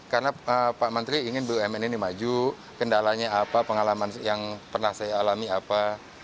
karena pak menteri ingin bumn ini maju kendalanya apa pengalaman yang pernah saya alami apa